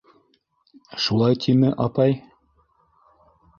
— Шулай тиме, апай?